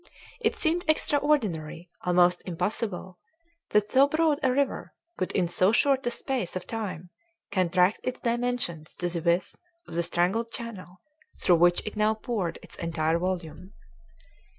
It seemed extraordinary, almost impossible, that so broad a river could in so short a space of time contract its dimensions to the width of the strangled channel through which it now poured its entire volume.